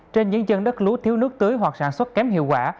trên những chân đất lúa thiếu nước tưới hoặc sản xuất kém hiệu quả